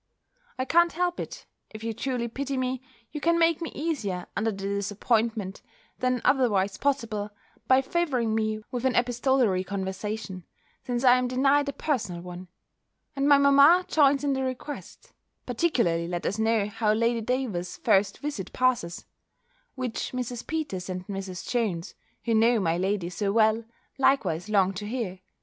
I can't help it if you truly pity me you can make me easier under the disappointment, than otherwise possible, by favouring me with an epistolary conversation, since I am denied a personal one; and my mamma joins in the request; particularly let us know how Lady Davers's first visit passes; which Mrs. Peters and Mrs. Jones, who know my lady so well, likewise long to hear.